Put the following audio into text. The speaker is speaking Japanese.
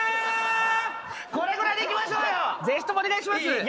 これぐらいでいきましょうぜひともお願いします。